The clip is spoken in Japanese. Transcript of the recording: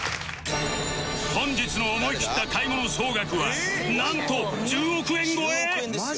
本日の思い切った買い物総額はなんと１０億円超え！？